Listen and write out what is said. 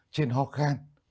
trên ho khang